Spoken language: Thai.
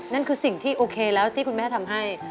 นั่นคือสิ่งที่โอเคแล้วที่คุณแม่ทำให้